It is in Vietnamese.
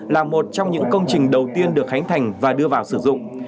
là một trong những công trình đầu tiên được khánh thành và đưa vào sử dụng